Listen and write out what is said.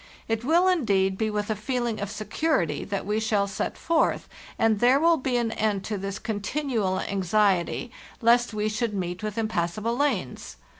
It will, indeed, be with a feeling of security that we shall set forth, and there will be an end to this continual anxiety lest we should meet with impassable lanes.